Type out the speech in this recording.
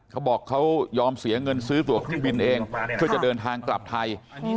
เขาบอกเขายอมเสียเงินซื้อตัวเครื่องบินเองเพื่อจะเดินทางกลับไทย